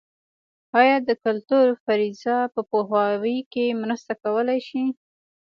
ایا د کلتور فرضیه په پوهاوي کې مرسته کولای شي؟